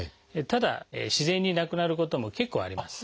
ただ自然になくなることも結構あります。